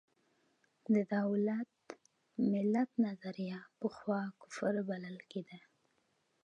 د دولت–ملت نظریه پخوا کفر بلل کېده.